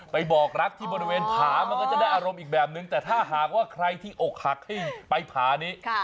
ไปบอกรักที่บริเวณผามันก็จะได้อารมณ์อีกแบบนึงแต่ถ้าหากว่าใครที่อกหักให้ไปผานี้